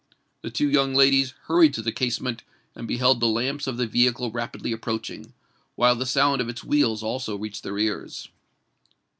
The two young ladies hurried to the casement, and beheld the lamps of the vehicle rapidly approaching, while the sound of its wheels also reached their ears.